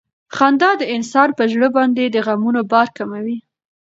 خندا د انسان پر زړه باندې د غمونو بار کموي.